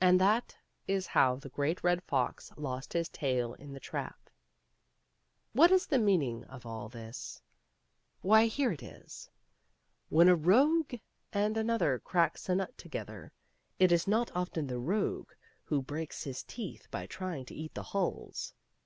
And that is how the Great Red Fox lost his tail ih the trap. What is the meaning of all ihis ? Why, here it is : When a rogue and another cracks a nut together, it is not often the rogue who breaks his teeth by trying to eat the hulls.